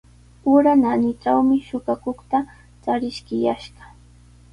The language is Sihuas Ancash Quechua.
Ura naanitrawmi suqakuqta chariskiyashqa.